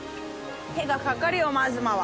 手が掛かるよ真妻は。